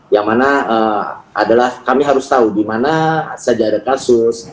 yang mana adalah kami harus tahu di mana saja ada kasus